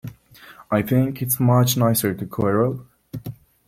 I think it's much nicer to quarrel.